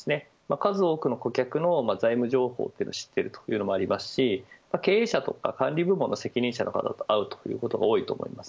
数多くの顧客の財務状況を知っているというのもありますし経営者とか管理部門の責任者の方と合うということも多いと思います。